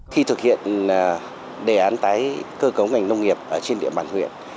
khi thực hiện đề án tái cơ cấu ngành nông nghiệp trên địa bàn huyện